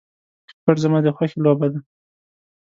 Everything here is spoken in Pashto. کرکټ زما د خوښې لوبه ده .